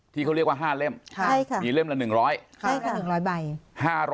ที่เขาเรียกว่า๕เล่มอีกเล่มละ๑๐๐